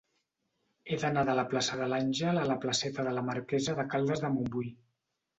He d'anar de la plaça de l'Àngel a la placeta de la Marquesa de Caldes de Montbui.